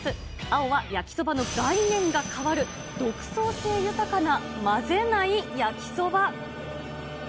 青は焼きそばの概念が変わる、独創性豊かな混ぜない焼きそば。